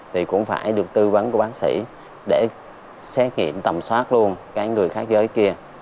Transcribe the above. thì cũng phải được tư vấn của bác sĩ để xét kiểm tầm soát luôn cái người khác giới kia